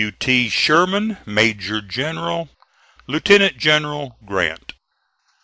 "W. T. SHERMAN, Major General. "LIEUTENANT GENERAL GRANT."